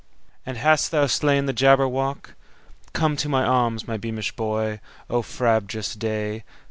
"And hast thou slain the Jabberwock? Come to my arms, my beamish boy!O frabjous day!